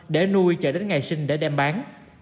để nuôi chờ đến ngày sinh để đem bán